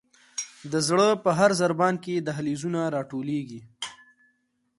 د زړه په هر ضربان کې دهلیزونه را ټولیږي.